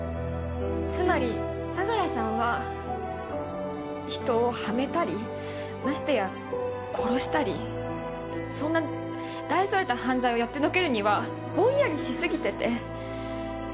つまり相良さんは人をはめたりましてや殺したりそんな大それた犯罪をやってのけるにはぼんやりし過ぎてて。